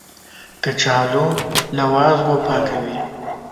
کچالو له وازګو پاکوي